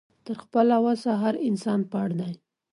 تر خپله وسه هر انسان پړ دی